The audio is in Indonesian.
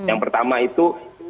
yang pertama itu